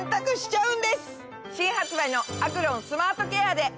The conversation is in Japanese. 新発売のアクロンスマートケアで！